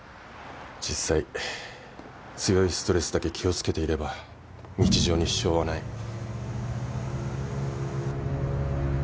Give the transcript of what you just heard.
実際強いストレスだけ気を付けていれば日常に支障はない。